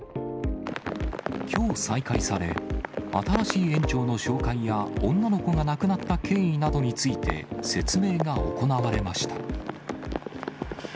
きょう再開され、新しい園長の紹介や女の子が亡くなった経緯などについて、説明が行われました。